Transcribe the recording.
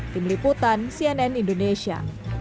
tim liputan cnn indonesia